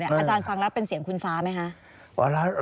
อาจารย์ฟังแล้วเป็นเสียงคุณฟ้าไหมคะ